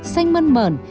xanh mơn mờn